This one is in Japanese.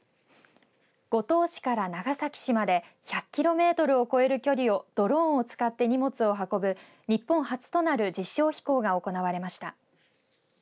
五島市から長崎市まで１００キロメートルを超える距離をドローンを使って荷物を運ぶ日本初となる実証飛行が行われました。